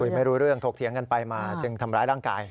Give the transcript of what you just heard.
ไม่รู้เรื่องถกเถียงกันไปมาจึงทำร้ายร่างกาย